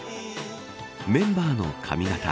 メンバーの髪型